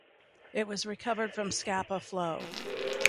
It was recovered from Scapa Flow.